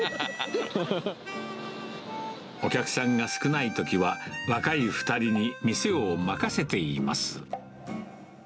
お客さんが少ないときは、若い２人に店を任せています。